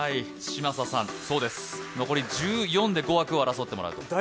残り１４で、５枠を争ってもらうと。